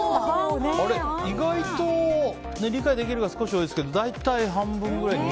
意外と理解できるが少し多いですけど大体、半分ぐらい。